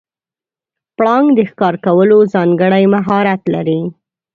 پړانګ د ښکار کولو ځانګړی مهارت لري.